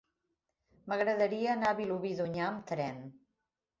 M'agradaria anar a Vilobí d'Onyar amb tren.